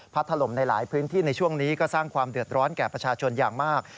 ถล่มในหลายพื้นที่ในช่วงนี้ก็สร้างความเดือดร้อนแก่ประชาชนอย่างมาก